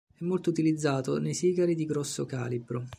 È molto utilizzato nei sigari di grosso calibro.